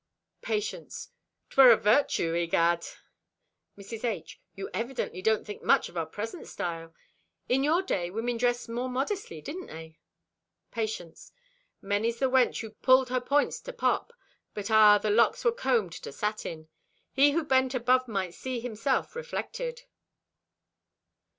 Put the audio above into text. Patience.—"'Twere a virtue, egad!" Mrs. H.—"You evidently don't think much of our present style. In your day women dressed more modestly, didn't they?" Patience.—"Many's the wench who pulled her points to pop. But ah, the locks were combed to satin! He who bent above might see himself reflected."